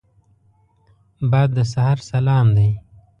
باد د سحر سلام دی